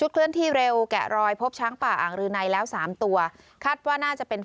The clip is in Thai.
ก็พบช้างป่าแล้วสามตัวค่ะ